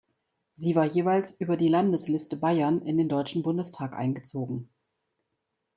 Sie war jeweils über die Landesliste Bayern in den Deutschen Bundestag eingezogen.